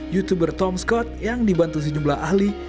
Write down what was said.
youtuber tom scott yang dibantu sejumlah ahli